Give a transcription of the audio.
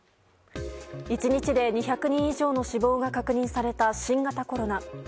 １日で２００人以上の死亡が確認された新型コロナ。